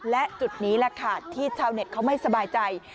และจุดนี้แหละค่ะที่ชาวเน็ตเขาไม่สบายใจ